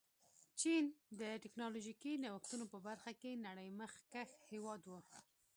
چین د ټکنالوژيکي نوښتونو په برخه کې نړۍ مخکښ هېواد و.